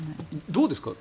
どうですか？